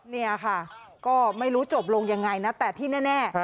เนี่ยค่ะก็ไม่รู้จบลงยังไงนะแต่ที่แน่